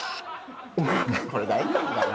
これ大丈夫かな？